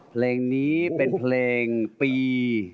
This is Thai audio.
เพลงนี้เป็นเพลงปี